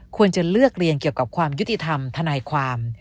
ควรจะเลือกเรียนเกี่ยวกับความยุติธรรมทนายความ